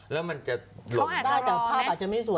แล้วมันจะหลงได้แต่ภาพอาจจะไม่สวย